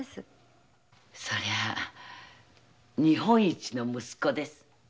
そりゃあ日本一の息子です。